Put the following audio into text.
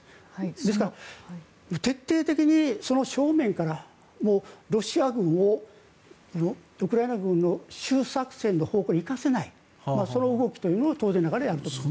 ですから徹底的にその正面からロシア軍をウクライナ軍の州作戦の方向に行かせないその動きというのを当然ながらやると思います。